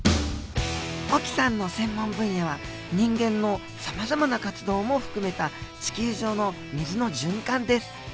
沖さんの専門分野は人間のさまざまな活動も含めた地球上の水の循環です。